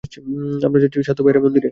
আমরা যাচ্ছি সাত্তু ভাইয়া, মন্দিরে।